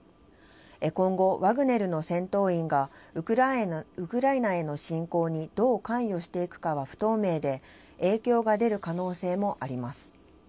今後、ワグネルの戦闘員が、ウクライナへの侵攻にどう関与していくかは不透明で、影響が出る可能性もあります。